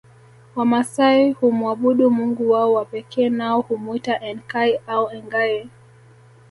Wamasai humwabudu mungu wao wa pekee nao humwita Enkai au Engai